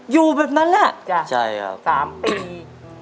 อยู่แบบนั้นแหละ๓ปี